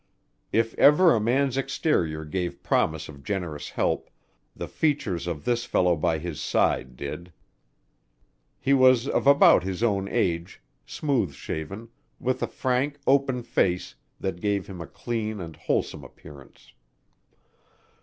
If ever a man's exterior gave promise of generous help, the features of this fellow by his side did. He was of about his own age, smooth shaven, with a frank, open face that gave him a clean and wholesome appearance.